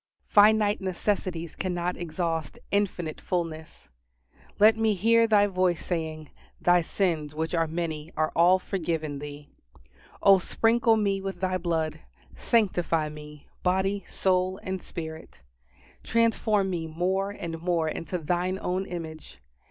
Finite necessities cannot exhaust Infinite fullness. Let me hear Thy voice saying, "Thy sins, which are many, are all forgiven thee!" O sprinkle me with Thy blood; sanctify me, body, soul, and spirit. Transform me more and more into Thine own image.